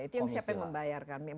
itu siapa yang membayarkan